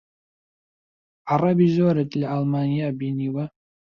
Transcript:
عەرەبی زۆرت لە ئەڵمانیا بینیوە؟